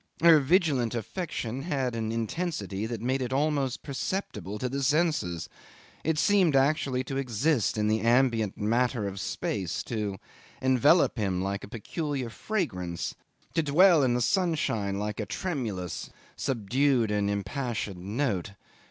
Her vigilant affection had an intensity that made it almost perceptible to the senses; it seemed actually to exist in the ambient matter of space, to envelop him like a peculiar fragrance, to dwell in the sunshine like a tremulous, subdued, and impassioned note.